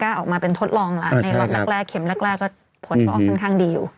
ก็ผลก็ลองค่อนข้างดีอยู่